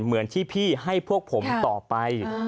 เหมือนที่พี่ให้พวกผมต่อไป